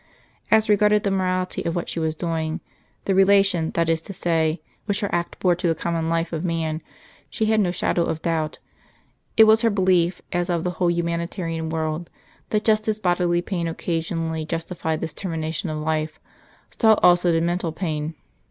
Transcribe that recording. As regarded the morality of what she was doing the relation, that is to say, which her act bore to the common life of man she had no shadow of doubt. It was her belief, as of the whole Humanitarian world, that just as bodily pain occasionally justified this termination of life, so also did mental pain.